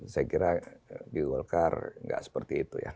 saya kira di golkar nggak seperti itu ya